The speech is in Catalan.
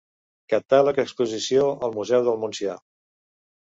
Catàleg exposició al Museu del Montsià.